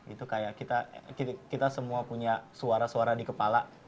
itu kayak kita semua punya suara suara di kepala